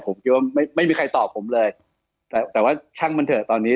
ผมคิดว่าไม่ไม่มีใครตอบผมเลยแต่แต่ว่าช่างมันเถอะตอนนี้